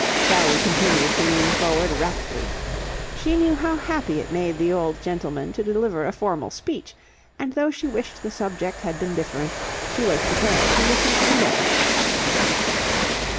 Sally continued to lean forward raptly. She knew how happy it made the old gentleman to deliver a formal speech; and though she wished the subject had been different, she was prepared to listen indefinitely.